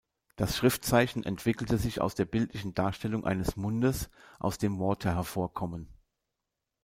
Das Schriftzeichen entwickelte sich aus der bildlichen Darstellung eines Mundes, aus dem Worte hervorkommen.